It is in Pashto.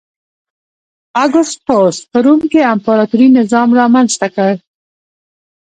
اګوستوس په روم کې امپراتوري نظام رامنځته کړ.